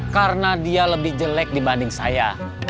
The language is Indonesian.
karena dia lebih jelek dibanding saya